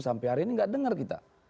sampai hari ini nggak dengar kita